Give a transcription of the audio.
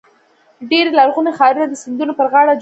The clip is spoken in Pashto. ډېری لرغوني ښارونه د سیندونو پر غاړو جوړ شوي دي.